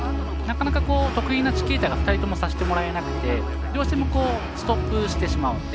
なかなか得意なチキータが２人ともさせてもらえなくてどうしてもストップしてしまう。